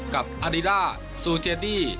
กับอาดีล่าซูเจดี้